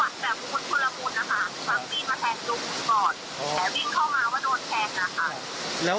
ใช่ค่ะถ่ายรูปส่งให้พี่ดูไหม